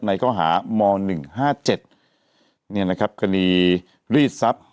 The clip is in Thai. ในข้อหาม๑๕๗นี่นะครับกรณีรีดทรัพย์